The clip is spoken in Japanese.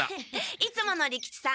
いつもの利吉さん